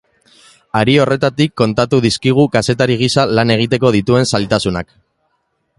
Hari horretatik kontatu dizkigu kazetari gisa lan egiteko dituen zailtasunak.